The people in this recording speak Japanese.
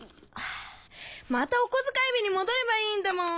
またお小遣い日に戻ればいいんだもん。